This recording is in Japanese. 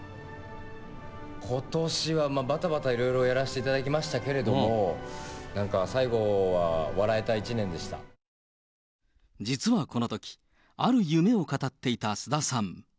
ことしはばたばたいろいろ、やらせていただきましたけれども、実はこのとき、ある夢を語っていた菅田さん。